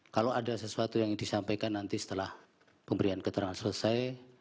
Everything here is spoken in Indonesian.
kalau ada sesuatu yang disampaikan nanti setelah pemberian keterangan selesai